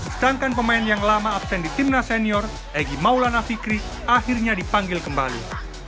sedangkan pemain yang lama absen di timnas senior egy maulana fikri akhirnya dipanggil kembali